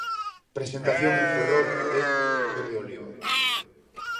Presentación en Ferrol de "Verde oliva".